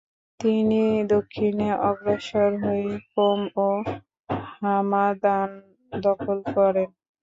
তিনি দক্ষিণে অগ্রসর হয়ে কোম ও হামাদান দখল করেন।